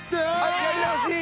やり直し！